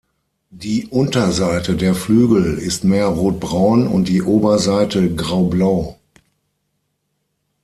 Die Unterseite der Flügel ist mehr rotbraun und die Oberseite graublau.